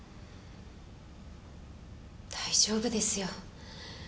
大丈夫ですよ。